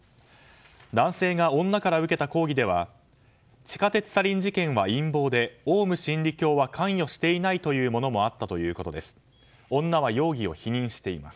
男性が女から受けた講義では地下鉄サリン事件は陰謀でオウム真理教は関与していないというものもあったということです。